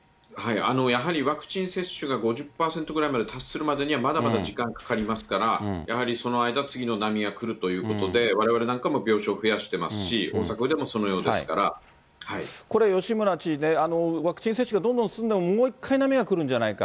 やはりワクチン接種が５０％ぐらいまで達するまでには、まだまだ時間かかりますから、やはり、その間、次の波が来るということで、われわれなんかも病床を増やしてますし、これ、吉村知事ね、ワクチン接種がどんどん進んでも、波が来るんじゃないか。